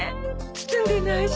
包んでないし。